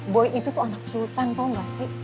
boy itu tuh anak sultan tau gak sih